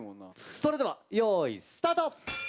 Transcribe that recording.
それでは用意スタート！